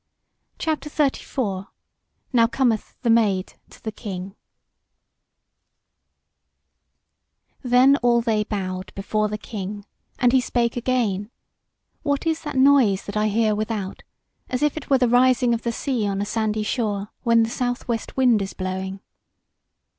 CHAPTER XXXIV: NOW COMETH THE MAID TO THE KING Then all they bowed before the King, and he spake again: "What is that noise that I hear without, as if it were the rising of the sea on a sandy shore, when the south west wind is blowing."